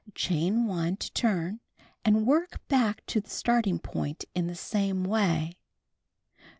Chain 1 to turn, and work back to the starting point in the same way.